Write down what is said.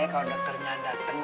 kalo dokternya dateng